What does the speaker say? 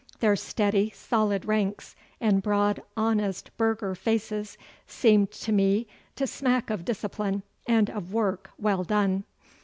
Their steady, solid ranks, and broad, honest burgher faces, seemed to me to smack of discipline and of work well done.